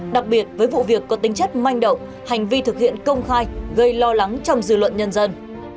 đặc biệt với vụ việc có tính chất manh động hành vi thực hiện công khai gây lo lắng trong dư luận nhân dân